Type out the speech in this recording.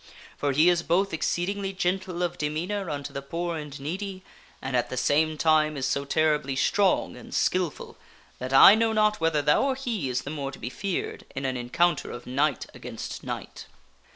For he is both exceed ingly gentle of demeanor unto the poor and needy and at the same time is so terribly strong and skilful that I know not whether thou or he is the more to be feared in an encounter of knight against knight."